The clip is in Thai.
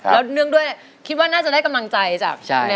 แล้วเนื่องด้วยคิดว่าน่าจะได้กำลังใจจากแม่